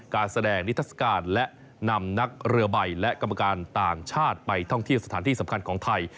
การแสดงนิทัศกาลและนำนักเรือใบและกรรมการต่างชาติไปท่องเที่ยวสถานที่สำคัญของไทย